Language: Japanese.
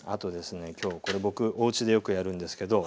今日これ僕おうちでよくやるんですけどこっち見て下さい。